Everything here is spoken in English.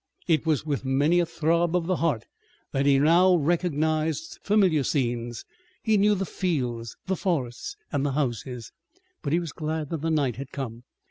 It was with many a throb of the heart that he now recognized familiar scenes. He knew the fields, the forests and the houses. But he was glad that the night had come.